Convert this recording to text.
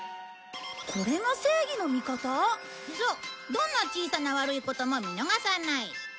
どんな小さな悪いことも見逃さない。